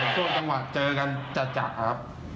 ช่วงจังหวะเจอกันจัดครับ